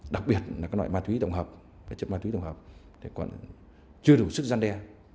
đặc biệt là cái loại ma túy tổng hợp chất ma túy tổng hợp chưa đủ sức gian đe